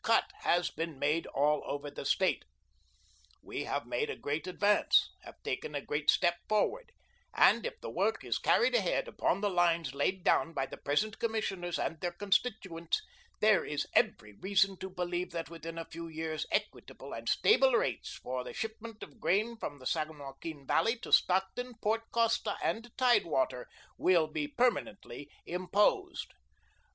CUT HAS BEEN MADE ALL OVER THE STATE. We have made a great advance, have taken a great step forward, and if the work is carried ahead, upon the lines laid down by the present commissioners and their constituents, there is every reason to believe that within a very few years equitable and stable rates for the shipment of grain from the San Joaquin Valley to Stockton, Port Costa, and tidewater will be permanently imposed."